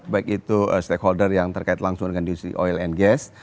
baik itu stakeholder yang terkait langsung dengan industri oil and gas